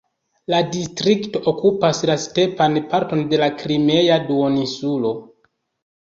La distrikto okupas la stepan parton de la Krimea duoninsulo.